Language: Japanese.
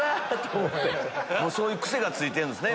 そういう癖がついてるんですね